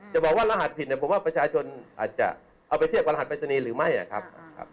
จะบอกว่ารหัสผิดเนี่ยผมว่าประชาชนอาจจะเอาไปเทียบกับรหัสปริศนีย์หรือไม่นะครับ